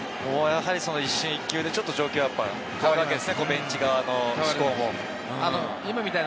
一瞬、１球で状況は変わるわけですね、ベンチ側の趣向も。